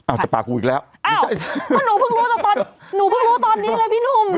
เอาแต่ปากกูอีกแล้วอ้าวเพราะหนูเพิ่งรู้ตอนหนูเพิ่งรู้ตอนนี้เลยพี่หนุ่ม